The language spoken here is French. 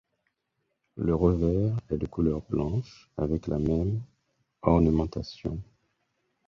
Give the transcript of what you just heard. Le revers est de couleur blanche avec la même ornementation.